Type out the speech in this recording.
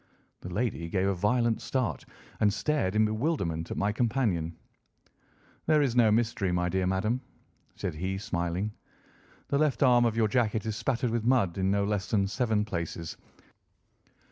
The lady gave a violent start and stared in bewilderment at my companion. "There is no mystery, my dear madam," said he, smiling. "The left arm of your jacket is spattered with mud in no less than seven places.